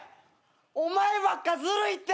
お前ばっかずるいって！